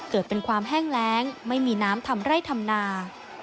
เกิดเป็นความแห้งแรงไม่มีน้ำทำไร่ทำนา